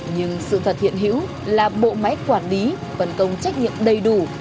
nhưng sự thật hiện hữu là bộ máy quản lý phần công trách nhiệm đầy đủ